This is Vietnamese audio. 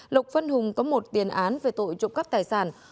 lộc văn hùng có một tiền án về tội trộm cắp tài sản